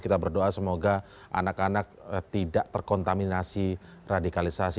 kita berdoa semoga anak anak tidak terkontaminasi radikalisasi